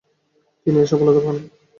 তিনি এ সফলতা পান।